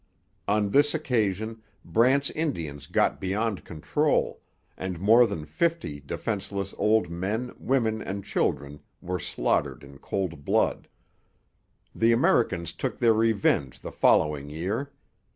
On this occasion Brant's Indians got beyond control, and more than fifty defenceless old men, women, and children were slaughtered in cold blood. The Americans took their revenge the following year.